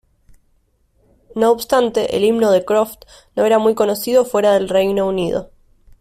No obstante, el himno de Croft no era muy conocido fuera del Reino Unido.